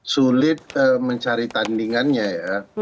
sulit mencari tandingannya ya